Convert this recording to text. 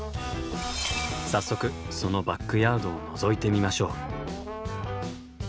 早速そのバックヤードをのぞいてみましょう。